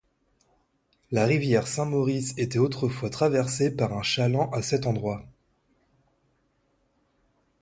La rivière Saint-Maurice était autrefois traversée par un chaland à cet endroit.